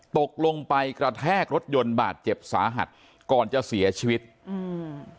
ตกลงไปกระแทกรถยนต์บาดเจ็บสาหัสก่อนจะเสียชีวิตอืม